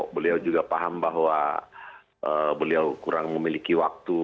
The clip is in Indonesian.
beliau juga paham bahwa beliau kurang memiliki waktu